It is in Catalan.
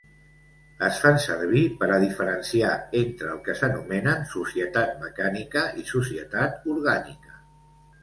Es fan servir per a diferenciar entre el que s'anomenen societat mecànica i societat orgànica.